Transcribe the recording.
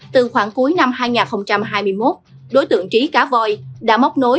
từ khoảng cuối năm hai nghìn hai mươi một đối tượng trí cá voi đã móc nối